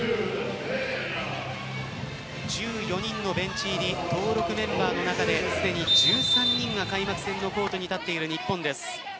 １４人のベンチ入り登録メンバーの中ですでに１３人が開幕戦のコートに立っている日本です。